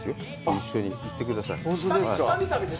一緒に行ってください。